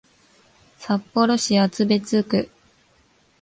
札幌市厚別区